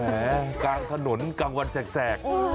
กลางถนนกลางวันแสก